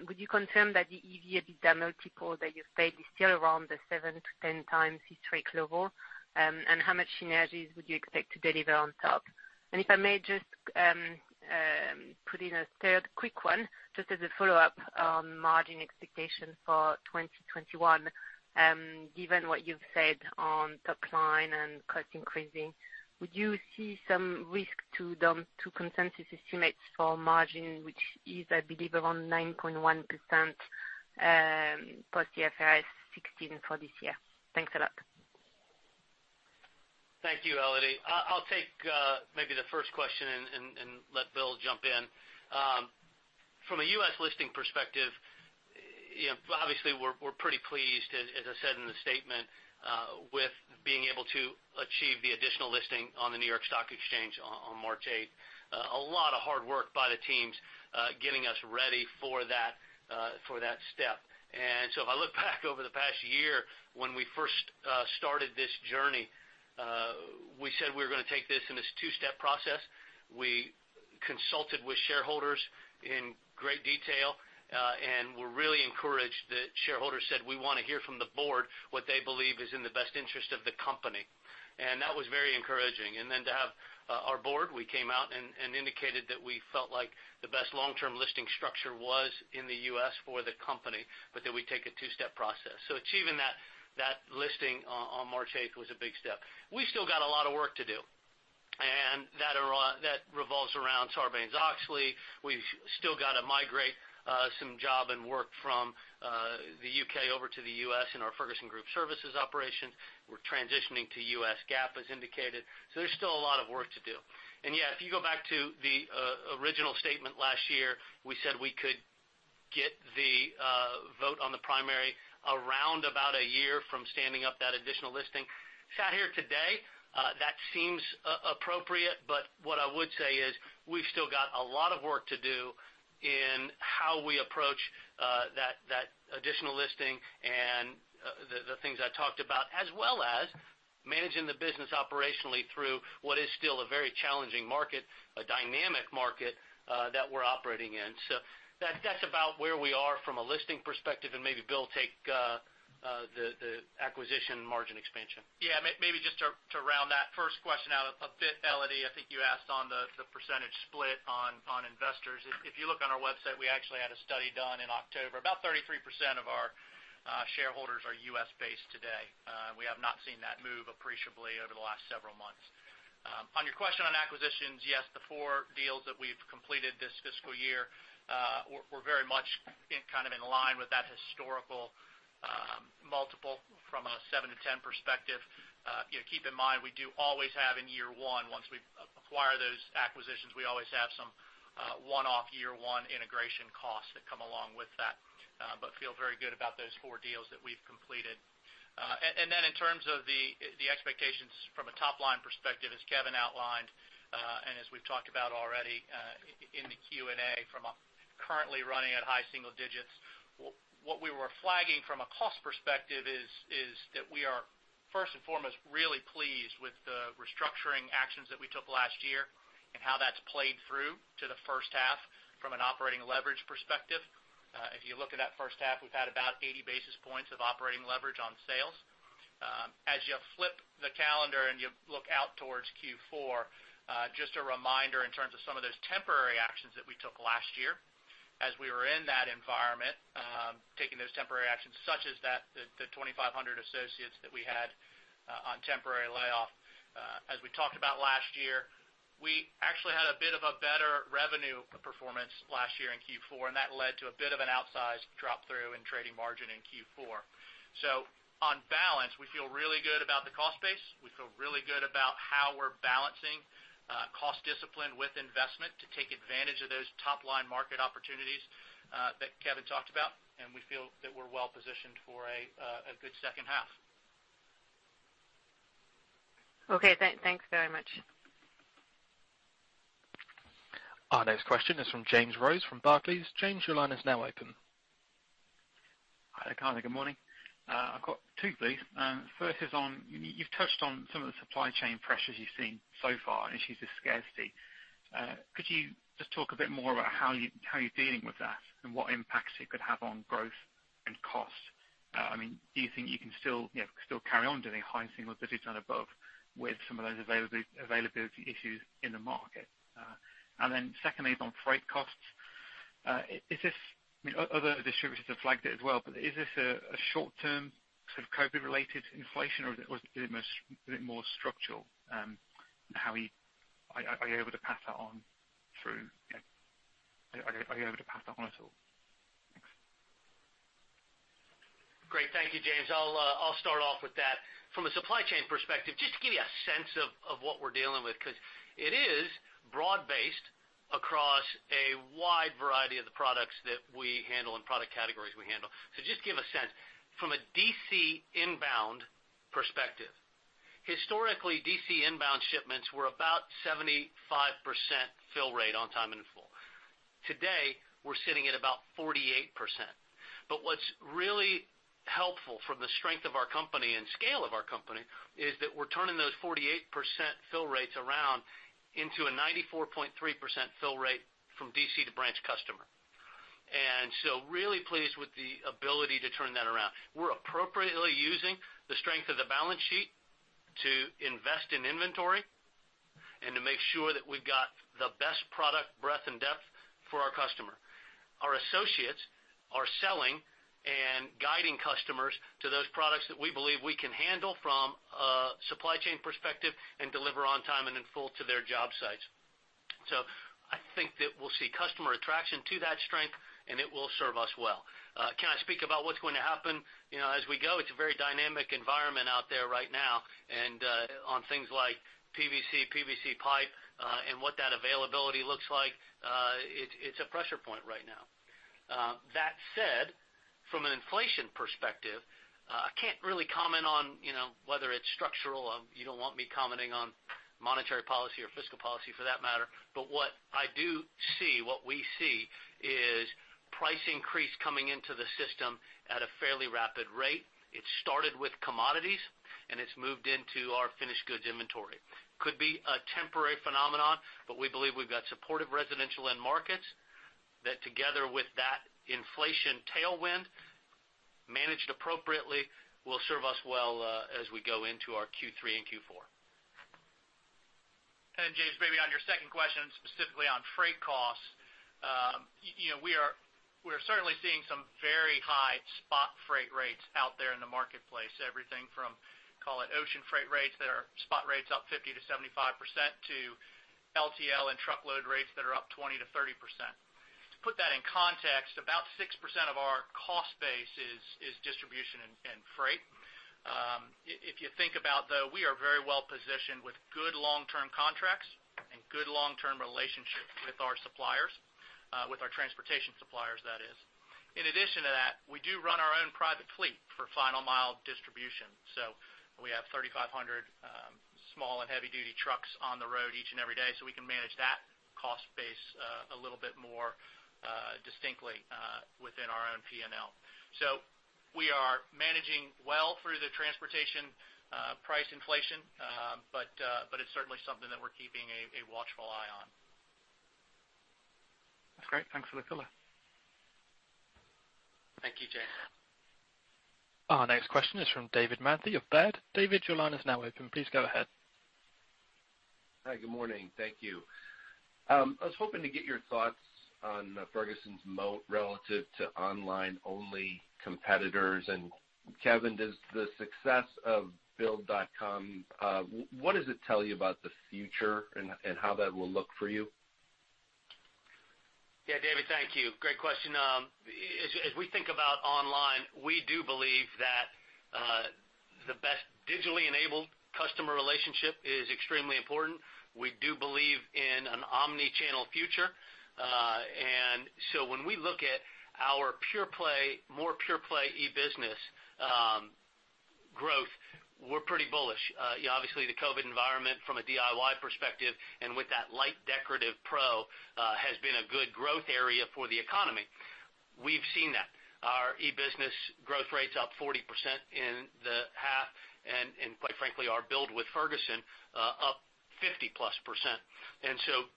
Would you confirm that the EBITDA multiple that you've paid is still around the 7x-10x historic level? How much synergies would you expect to deliver on top? If I may just put in a third quick one, just as a follow-up on margin expectation for 2021. Given what you've said on top-line and cost increasing, would you see some risk to consensus estimates for margin, which is, I believe, around 9.1% post the IFRS 16 for this year? Thanks a lot. Thank you, Elodie. I'll take maybe the first question and let Bill jump in. From a U.S. listing perspective, obviously, we're pretty pleased, as I said in the statement, with being able to achieve the additional listing on the New York Stock Exchange on March 8th. A lot of hard work by the teams getting us ready for that step. If I look back over the past year when we first started this journey, we said we were going to take this in this two-step process. We consulted with shareholders in great detail, and we're really encouraged that shareholders said, "We want to hear from the Board what they believe is in the best interest of the company." That was very encouraging. To have our Board, we came out and indicated that we felt like the best long-term listing structure was in the U.S. for the company, but that we take a two-step process. Achieving that listing on March 8th was a big step. We still got a lot of work to do, and that revolves around Sarbanes-Oxley. We've still got to migrate some job and work from the U.K. over to the U.S. in our Ferguson Group Services operation. We're transitioning to U.S. GAAP, as indicated. There's still a lot of work to do. Yeah, if you go back to the original statement last year, we said we could get the vote on the primary around about a year from standing up that additional listing. Sat here today, that seems appropriate, but what I would say is we've still got a lot of work to do in how we approach that additional listing and the things I talked about, as well as managing the business operationally through what is still a very challenging market, a dynamic market that we're operating in. That's about where we are from a listing perspective, and maybe Bill take the acquisition margin expansion. Maybe just to round that first question out a bit, Elodie, I think you asked on the percentage split on investors. If you look on our website, we actually had a study done in October. About 33% of our shareholders are U.S.-based today. We have not seen that move appreciably over the last several months. On your question on acquisitions, yes, the four deals that we've completed this fiscal year were very much in line with that historical multiple from a 7 to 10 perspective. Keep in mind, we do always have in year one, once we acquire those acquisitions, we always have some one-off year-one integration costs that come along with that. Feel very good about those four deals that we've completed. In terms of the expectations from a top-line perspective, as Kevin outlined, as we've talked about already in the Q&A from currently running at high-single-digits, what we were flagging from a cost perspective is that we are first and foremost, really pleased with the restructuring actions that we took last year and how that's played through to the first half from an operating leverage perspective. If you look at that first half, we've had about 80 basis points of operating leverage on sales. You flip the calendar and you look out towards Q4, just a reminder in terms of some of those temporary actions that we took last year as we were in that environment, taking those temporary actions, such as the 2,500 associates that we had on temporary layoff. As we talked about last year, we actually had a bit of a better revenue performance last year in Q4, and that led to a bit of an outsized drop through in trading margin in Q4. On balance, we feel really good about the cost base. We feel really good about how we're balancing cost discipline with investment to take advantage of those top-line market opportunities that Kevin talked about, and we feel that we're well-positioned for a good second half. Okay, thanks very much. Our next question is from James Rose from Barclays. James, your line is now open. Hi there. Good morning. I've got two, please. First is, you've touched on some of the supply chain pressures you've seen so far and issues with scarcity. Could you just talk a bit more about how you're dealing with that and what impacts it could have on growth and cost? Do you think you can still carry on doing high-single-digits and above with some of those availability issues in the market? Secondly is on freight costs. Other distributors have flagged it as well, but is this a short-term sort of COVID-related inflation, or is it a bit more structural? Are you able to pass that on at all? Thanks. Great. Thank you, James. I'll start off with that. From a supply chain perspective, just to give you a sense of what we're dealing with, because it is broad-based across a wide variety of the products that we handle and product categories we handle. Just give a sense, from a DC inbound perspective. Historically, DC inbound shipments were about 75% fill rate on time and in full. Today, we're sitting at about 48%. What's really helpful from the strength of our company and scale of our company is that we're turning those 48% fill rates around into a 94.3% fill rate from DC to branch customer. Really pleased with the ability to turn that around. We're appropriately using the strength of the balance sheet to invest in inventory and to make sure that we've got the best product breadth and depth for our customer. Our associates are selling and guiding customers to those products that we believe we can handle from a supply chain perspective and deliver on time and in full to their job sites. I think that we'll see customer attraction to that strength, and it will serve us well. Can I speak about what's going to happen? As we go, it's a very dynamic environment out there right now. On things like PVC pipe, and what that availability looks like, it's a pressure point right now. That said, from an inflation perspective, I can't really comment on whether it's structural. You don't want me commenting on monetary policy or fiscal policy for that matter. What I do see, what we see, is price increase coming into the system at a fairly rapid rate. It started with commodities, and it's moved into our finished goods inventory. Could be a temporary phenomenon. We believe we've got supportive residential end markets that together with that inflation tailwind, managed appropriately, will serve us well, as we go into our Q3 and Q4. James, maybe on your second question, specifically on freight costs. We are certainly seeing some very high spot freight rates out there in the marketplace. Everything from, call it ocean freight rates that are spot rates up 50%-75%, to LTL and truckload rates that are up 20%-30%. To put that in context, about 6% of our cost base is distribution and freight. If you think about, though, we are very well-positioned with good long-term contracts and good long-term relationships with our suppliers, with our transportation suppliers, that is. In addition to that, we do run our own private fleet for final mile distribution. We have 3,500 small and heavy-duty trucks on the road each and every day, so we can manage that cost base a little bit more distinctly within our own P&L. We are managing well through the transportation price inflation, but it's certainly something that we're keeping a watchful eye on. That's great. Thanks for the color. Thank you, James. Our next question is from David Manthey of Baird. David, your line is now open. Please go ahead. Hi, good morning. Thank you. I was hoping to get your thoughts on Ferguson's moat relative to online-only competitors. Kevin, does the success of build.com, what does it tell you about the future and how that will look for you? Yeah, David, thank you. Great question. As we think about online, we do believe that the best digitally enabled customer relationship is extremely important. We do believe in an omni-channel future. When we look at our pure play, more pure play e-business growth, we're pretty bullish. Obviously, the COVID environment from a DIY perspective and with that light decorative pro, has been a good growth area for the economy. We've seen that. Our e-business growth rate's up 40% in the half, and quite frankly, our Build with Ferguson, up 50+%.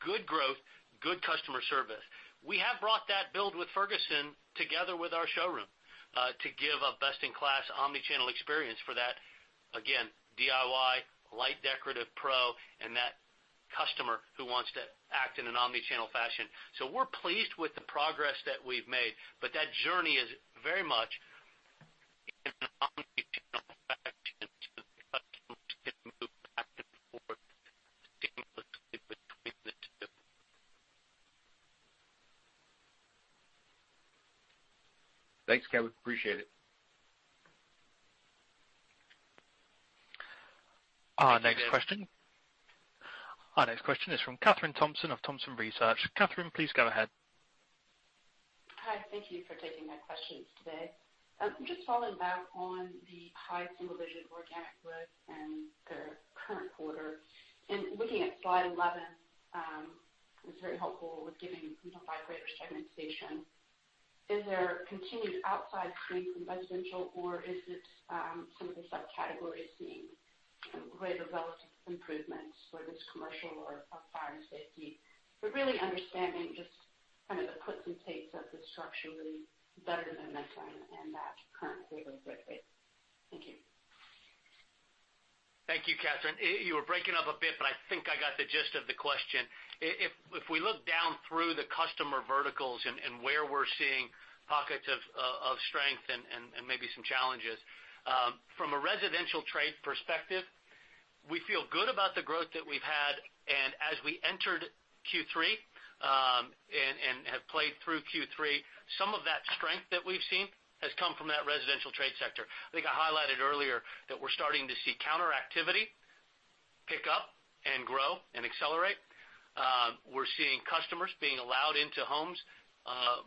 Good growth, good customer service. We have brought that Build with Ferguson together with our showroom, to give a best-in-class omni-channel experience for that, again, DIY, light decorative pro, and that customer who wants to act in an omni-channel fashion. We're pleased with the progress that we've made. That journey is very much. *audio distortion* Thanks, Kevin. Appreciate it. Our next question is from Kathryn Thompson of Thompson Research. Kathryn, please go ahead. Hi. Thank you for taking my questions today. Just following back on the high-single-digit organic growth and the current quarter, and looking at slide 11, was very helpful with giving me some greater segmentation. Is there continued outside strength in residential or is it some of the subcategories seeing greater relative improvements, whether it's commercial or fire and safety? Really understanding just kind of the puts and takes of the structurally better momentum and that current quarter growth rate. Thank you. Thank you, Kathryn. You were breaking up a bit, but I think I got the gist of the question. If we look down through the customer verticals and where we're seeing pockets of strength and maybe some challenges. From a residential trade perspective, we feel good about the growth that we've had, and as we entered Q3, and have played through Q3, some of that strength that we've seen has come from that residential trade sector. I think I highlighted earlier that we're starting to see contractor activity picking up and grow and accelerate. We're seeing customers being allowed into homes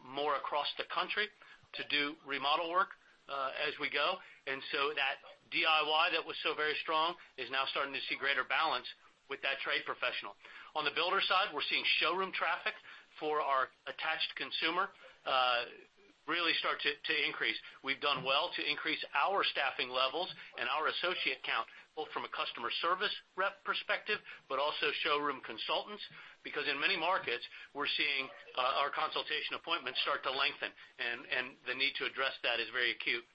more across the country to do re-model work as we go. That DIY that was so very strong is now starting to see greater balance with that trade professional. On the builder side, we're seeing showroom traffic for our attached consumer really start to increase. We've done well to increase our staffing levels and our associate count, both from a customer service rep perspective, but also showroom consultants, because in many markets, we're seeing our consultation appointments start to lengthen, and the need to address that is very acute.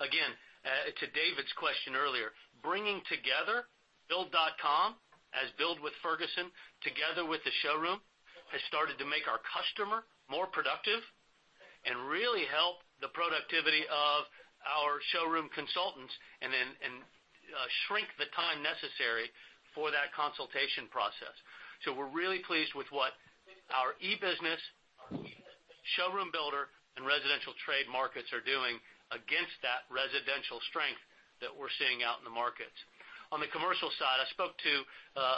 Again, to David's question earlier, bringing together build.com as Build with Ferguson, together with the showroom, has started to make our customer more productive and really help the productivity of our showroom consultants and shrink the time necessary for that consultation process. We're really pleased with what our e-business, showroom builder, and residential trade markets are doing against that residential strength that we're seeing out in the markets. On the commercial side, I spoke to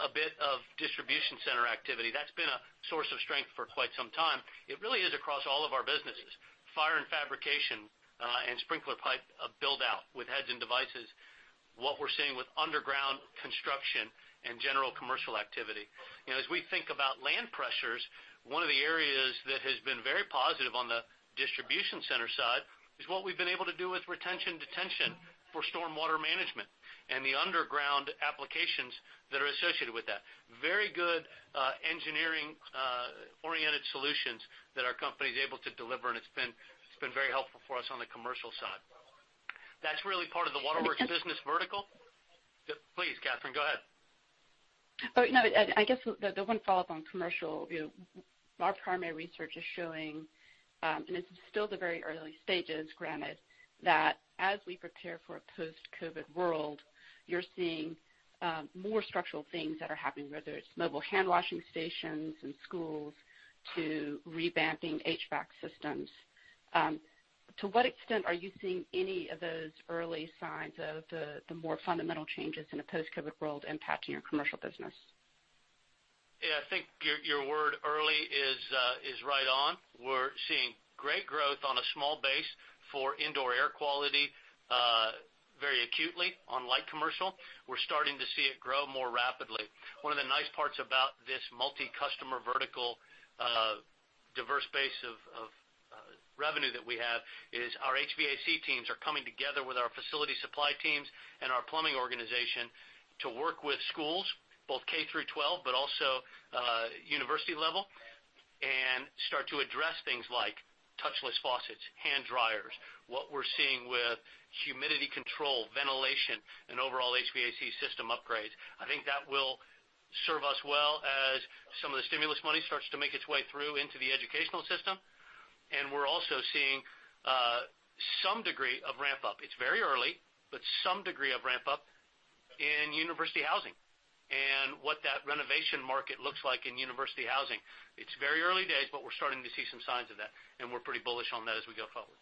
a bit of distribution center activity. That's been a source of strength for quite some time. It really is across all of our businesses. Fire and fabrication, and sprinkler pipe build-out with heads and devices, what we're seeing with underground construction and general commercial activity. As we think about land pressures, one of the areas that has been very positive on the Distribution Center side is what we've been able to do with retention, detention for storm water management and the underground applications that are associated with that. Very good engineering-oriented solutions that our company is able to deliver, and it's been very helpful for us on the commercial side. That's really part of the Waterworks business vertical. Please, Kathryn, go ahead. I guess the one follow-up on commercial view. Our primary research is showing, and it's still the very early stages, granted, that as we prepare for a post-COVID world, you're seeing more structural things that are happening, whether it's mobile handwashing stations in schools to revamping HVAC systems. To what extent are you seeing any of those early signs of the more fundamental changes in a post-COVID world impacting your commercial business? Yeah, I think your word early is right on. We're seeing great growth on a small base for indoor air quality very acutely on light commercial. We're starting to see it grow more rapidly. One of the nice parts about this multi-customer vertical, diverse base of revenue that we have is our HVAC teams are coming together with our facility supply teams and our plumbing organization to work with schools, both K-12, but also university level, and start to address things like touchless faucets, hand dryers, what we're seeing with humidity control, ventilation, and overall HVAC system upgrades. I think that will serve us well as some of the stimulus money starts to make its way through into the educational system. We're also seeing some degree of ramp-up. It's very early, but some degree of ramp-up in university housing, and what that renovation market looks like in university housing. It's very early days, but we're starting to see some signs of that, and we're pretty bullish on that as we go forward.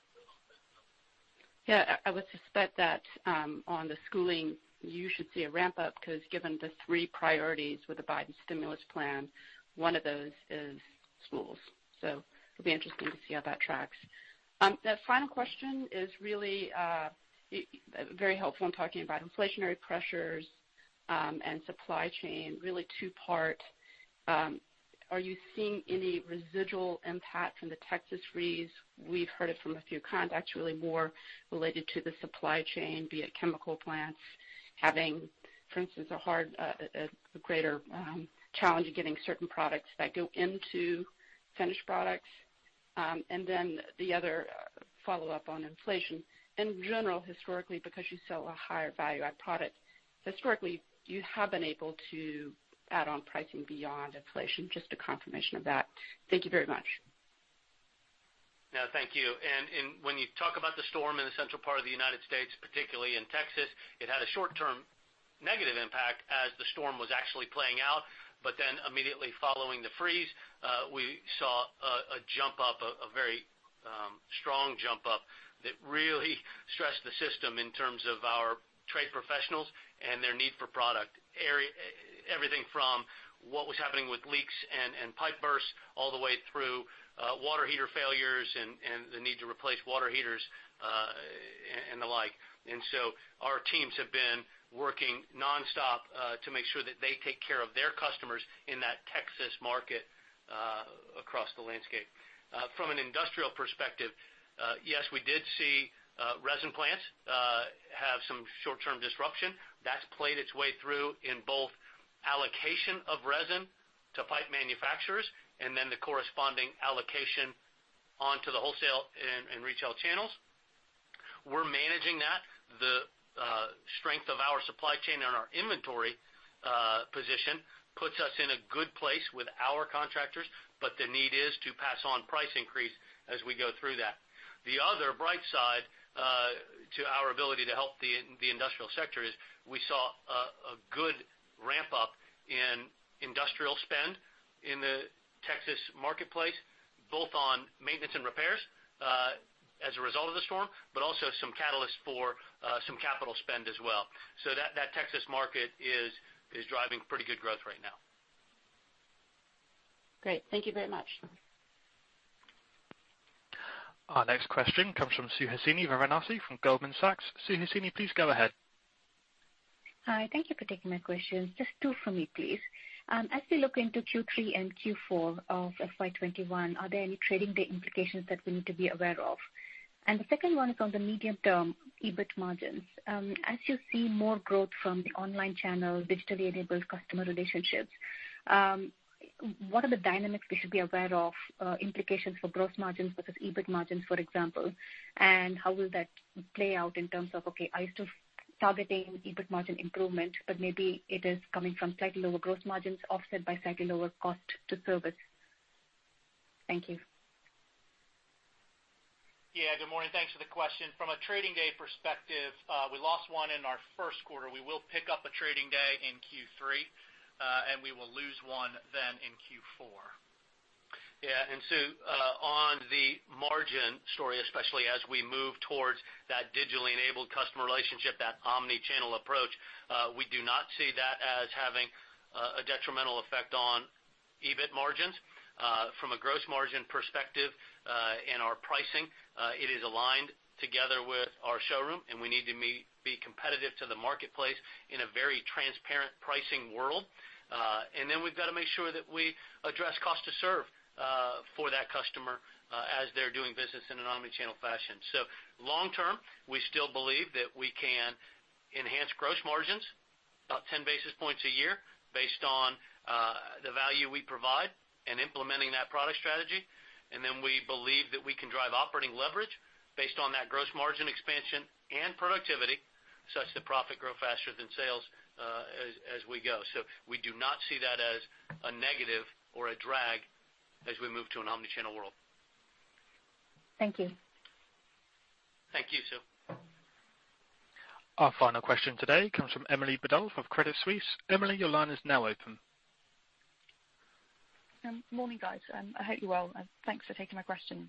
Yeah, I would suspect that on the schooling, you should see a ramp-up because given the three priorities with the Biden stimulus plan, one of those is schools. It'll be interesting to see how that tracks. The final question is really very helpful in talking about inflationary pressures and supply chain, really two-part. Are you seeing any residual impact from the Texas freeze? We've heard it from a few contacts, really more related to the supply chain, be it chemical plants having, for instance, a greater challenge in getting certain products that go into finished products. The other follow-up on inflation. In general, historically, because you sell a higher value-add product, historically, you have been able to add on pricing beyond inflation. Just a confirmation of that. Thank you very much. No, thank you. When you talk about the storm in the central part of the U.S., particularly in Texas, it had a short-term negative impact as the storm was actually playing out. Immediately following the freeze, we saw a very strong jump up that really stressed the system in terms of our trade professionals and their need for product. Everything from what was happening with leaks and pipe bursts, all the way through water heater failures and the need to replace water heaters, and the like. Our teams have been working nonstop to make sure that they take care of their customers in that Texas market across the landscape. From an industrial perspective, yes, we did see resin plants have some short-term disruption. That's played its way through in both allocation of resin to pipe manufacturers and then the corresponding allocation onto the wholesale and retail channels. We're managing that. The strength of our supply chain and our inventory position puts us in a good place with our contractors, the need is to pass on price increase as we go through that. The other bright side to our ability to help the industrial sector is we saw a good wrap-up in industrial spend in the Texas marketplace, both on maintenance and repairs as a result of the storm, also some catalyst for some capital spend as well. That Texas market is driving pretty good growth right now. Great. Thank you very much. Our next question comes from Suhasini Varanasi from Goldman Sachs. Suhasini, please go ahead. Hi. Thank you for taking my question. Just two from me, please. As we look into Q3 and Q4 of FY 2021, are there any trading day implications that we need to be aware of? The second one is on the medium-term EBIT margins. As you see more growth from the online channel, digitally enabled customer relationships, what are the dynamics we should be aware of, implications for gross margins versus EBIT margins, for example, and how will that play out in terms of, okay, I used to targeting EBIT margin improvement, but maybe it is coming from slightly lower gross margins offset by slightly lower cost to service. Thank you. Yeah. Good morning. Thanks for the question. From a trading day perspective, we lost one in our first quarter. We will pick up a trading day in Q3, we will lose one then in Q4. Su, on the margin story, especially as we move towards that digitally enabled customer relationship, that omni-channel approach, we do not see that as having a detrimental effect on EBIT margins. From a gross margin perspective, in our pricing, it is aligned together with our showroom, and we need to be competitive to the marketplace in a very transparent pricing world. We've got to make sure that we address cost to serve for that customer as they're doing business in an omni-channel fashion. Long-term, we still believe that we can enhance gross margins about 10 basis points a year based on the value we provide and implementing that product strategy. We believe that we can drive operating leverage based on that gross margin expansion and productivity, such that profit grow faster than sales as we go. We do not see that as a negative or a drag as we move to an omni-channel world. Thank you. Thank you, Su. Our final question today comes from Emily Bodnar of Credit Suisse. Emily, your line is now open. Morning, guys. I hope you're well, and thanks for taking my questions.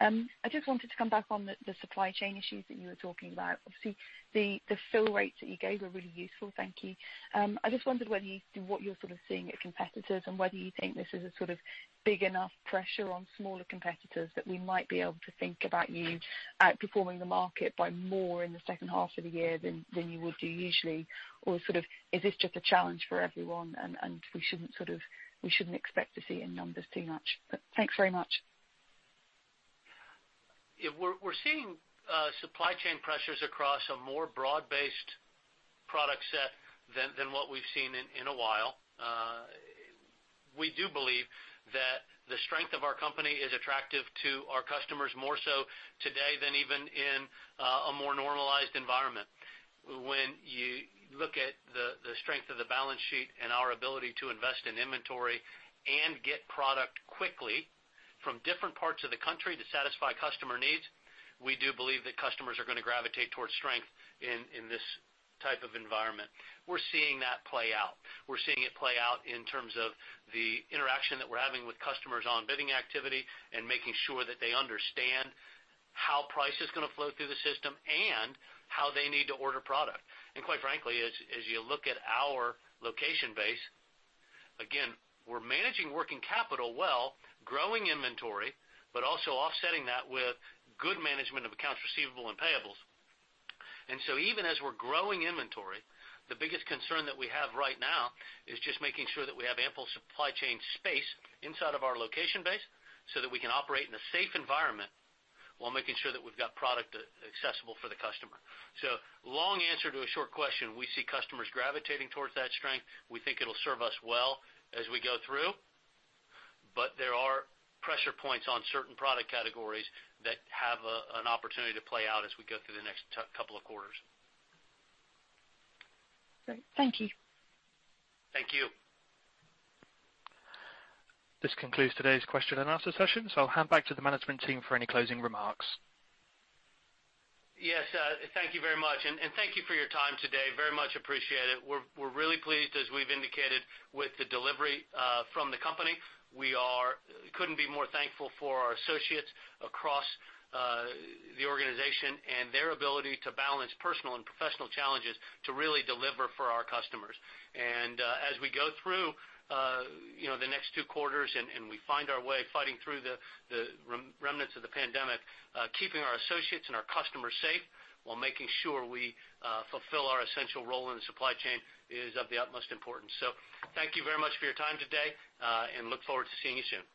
I just wanted to come back on the supply chain issues that you were talking about. Obviously, the fill rates that you gave were really useful. Thank you. I just wondered what you're sort of seeing at competitors and whether you think this is a sort of big enough pressure on smaller competitors that we might be able to think about you outperforming the market by more in the second half of the year than you would do usually? Is this just a challenge for everyone, and we shouldn't expect to see it in numbers too much? Thanks very much. We're seeing supply chain pressures across a more broad-based product set than what we've seen in a while. We do believe that the strength of our company is attractive to our customers more so today than even in a more normalized environment. When you look at the strength of the balance sheet and our ability to invest in inventory and get product quickly from different parts of the country to satisfy customer needs, we do believe that customers are going to gravitate towards strength in this type of environment. We're seeing that play out. We're seeing it play out in terms of the interaction that we're having with customers on bidding activity and making sure that they understand how price is going to flow through the system and how they need to order product. Quite frankly, as you look at our location base, again, we're managing working capital well, growing inventory, but also offsetting that with good management of accounts receivable and payables. Even as we're growing inventory, the biggest concern that we have right now is just making sure that we have ample supply chain space inside of our location base so that we can operate in a safe environment while making sure that we've got product accessible for the customer. Long answer to a short question, we see customers gravitating towards that strength. We think it'll serve us well as we go through, but there are pressure points on certain product categories that have an opportunity to play out as we go through the next couple of quarters. Great. Thank you. Thank you. This concludes today's question and answer session. I'll hand back to the management team for any closing remarks. Yes, thank you very much. Thank you for your time today. Very much appreciate it. We're really pleased, as we've indicated, with the delivery from the company. We couldn't be more thankful for our associates across the organization and their ability to balance personal and professional challenges to really deliver for our customers. As we go through the next two quarters, and we find our way fighting through the remnants of the pandemic, keeping our associates and our customers safe while making sure we fulfill our essential role in the supply chain is of the utmost importance. Thank you very much for your time today, and look forward to seeing you soon.